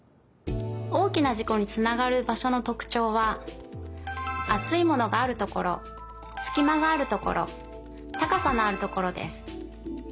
おおきなじこにつながるばしょのとくちょうはあついものがあるところすきまがあるところたかさのあるところです。